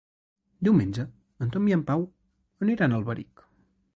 Diumenge en Tom i en Pau aniran a Alberic.